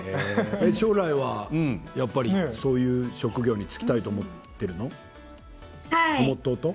将来はやっぱりそういう職業に就きたいとはい。